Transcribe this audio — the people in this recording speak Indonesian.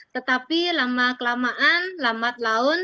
tetapi lama kelamaan lambat laun